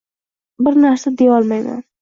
Bir narsa deyolmayman.